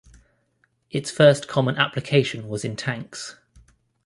Its first common application was in tanks.